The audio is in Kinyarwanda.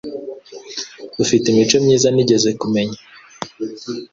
ufite imico myiza nigeze kumenya,